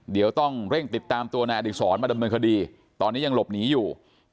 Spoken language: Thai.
เดี๋ยวต้องเร่งติดตามตัวนายอดีศรมาดำเนินคดีตอนนี้ยังหลบหนีอยู่